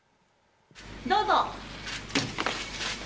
どうぞ。